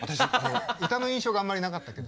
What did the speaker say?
歌の印象があんまりなかったけど。